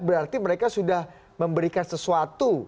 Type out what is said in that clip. berarti mereka sudah memberikan sesuatu